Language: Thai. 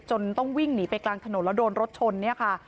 ต้องวิ่งหนีไปกลางถนนแล้วโดนรถชนเนี่ยค่ะ